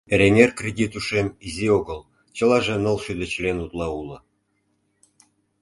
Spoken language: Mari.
Эреҥер кредит ушем изи огыл, чылаже ныл шӱдӧ член утла уло.